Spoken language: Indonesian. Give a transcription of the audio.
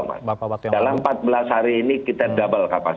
oke pak waka nurwan dirjen perdagangan dalam negeri kementerian perdagangan eropa